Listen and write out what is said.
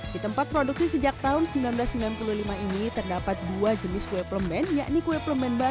di tempat produksi sejak tahun seribu sembilan ratus sembilan puluh lima ini terdapat dua jenis kue plemen yakni kue plemen bahan